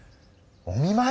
お見まい？